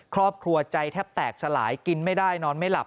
ครอบครัวใจแทบแตกสลายกินไม่ได้นอนไม่หลับ